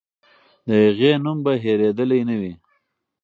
د هغې نوم به هېرېدلی نه وي.